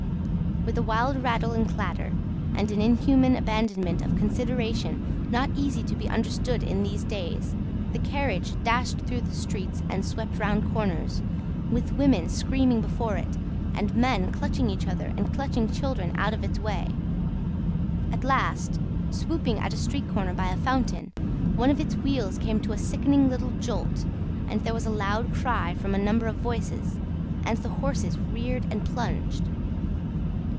With a wild rattle and clatter, and an inhuman abandonment of consideration not easy to be understood in these days, the carriage dashed through streets and swept round corners, with women screaming before it, and men clutching each other and clutching children out of its way. At last, swooping at a street corner by a fountain, one of its wheels came to a sickening little jolt, and there was a loud cry from a number of voices, and the horses reared and plunged.